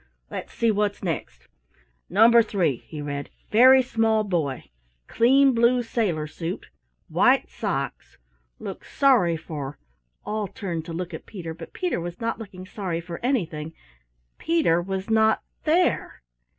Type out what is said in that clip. "Let's see what's next. Number three" he read "Very small boy: clean blue sailor suit white socks looks sorry for " All turned to look at Peter, but Peter was not looking sorry for anything Peter was not there!